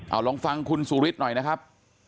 เอาลองฟังคุณสุฤทธิ์หน่อยนะครับ